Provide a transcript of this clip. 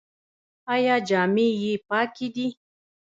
ایا جامې یې پاکې دي؟